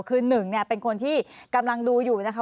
คือหนึ่งเนี่ยเป็นคนที่กำลังดูอยู่นะคะ